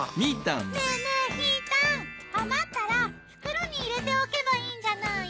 ねぇねぇひーたん余ったら袋に入れておけばいいんじゃない？